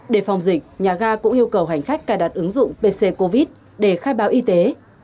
để phòng dịch nhà ga cũng yêu cầu hành khách cài đặt ứng dụng pc covid để khai báo y tế